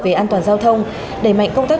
về an toàn giao thông đẩy mạnh công tác